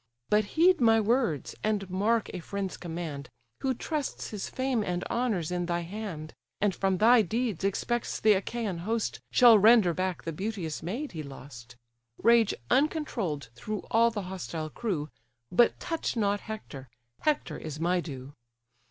But heed my words, and mark a friend's command, Who trusts his fame and honours in thy hand, And from thy deeds expects the Achaian host Shall render back the beauteous maid he lost: Rage uncontroll'd through all the hostile crew, But touch not Hector, Hector is my due.